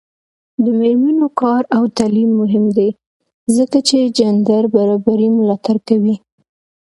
د میرمنو کار او تعلیم مهم دی ځکه چې جنډر برابرۍ ملاتړ کوي.